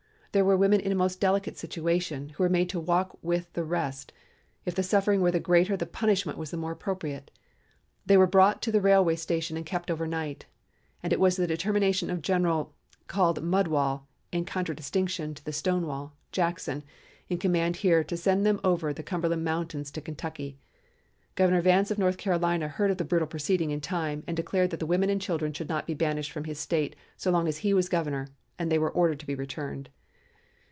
There were women in a most delicate situation who were made to walk with the rest; if the suffering were the greater the punishment was the more appropriate. They were brought to the railway station and kept over night, and it was the determination of General (called 'Mudwall' in contradistinction to 'Stonewall') Jackson in command here to send them over the Cumberland Mountains to Kentucky. Governor Vance of North Carolina heard of the brutal proceeding in time, and declared that women and children should not be banished from his State so long as he was its governor, and they were ordered to be returned.